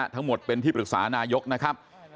ทั้งหมดเป็นที่ปรึกษานายกนะครับ